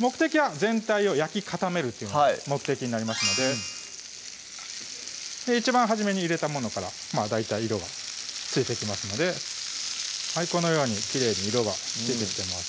目的は全体を焼き固めるっていうのが目的になりますので一番初めに入れたものから大体色がついてきますのでこのようにきれいに色がついてきてます